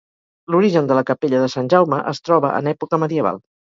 L'origen de la capella de Sant Jaume es troba en època medieval.